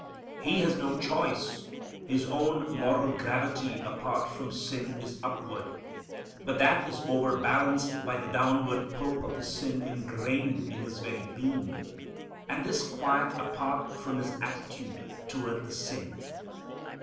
He has no choice. His own moral gravity apart from sin is upward. But that is overbalanced by the downward pull of the sin ingrained in his very being. And this quite apart from his attitude toward the sin.